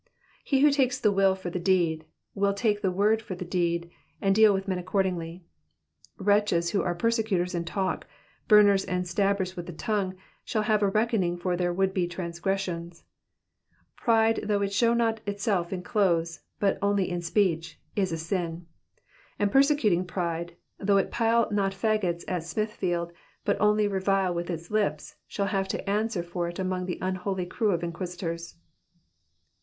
He who takes the will for the deed, will take the word for the deed and deal with men accordingly. Wretches who are persecutors in talk, burners and stabbers with the tongue, shall have a reckoning for their would be Digitized by VjOOQIC 80 EXPOSITIONS OF THE PSALMS. transgressions. Pride though it show not itself in clothes, but only in speech, is a sin ; and persecuting pride, though it pile no fagots at Sniithtield, but only revile with its lips, shall have to answer for it among the unholy crew of inquisitors.